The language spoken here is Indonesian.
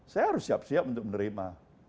saya harus siap siap untuk menerima